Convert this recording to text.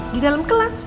di dalam kelas